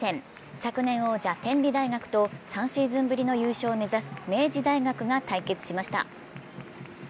昨年王者、天理大学と３シーズンぶりの優勝を目指す明治大学が対戦しました。